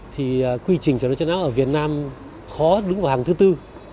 thì quy trình chuẩn đoán chất não ở việt nam khó đứng vào hàng thứ tư